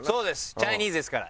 チャイニーズですから。